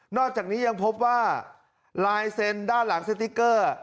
อกจากนี้ยังพบว่าลายเซ็นต์ด้านหลังสติ๊กเกอร์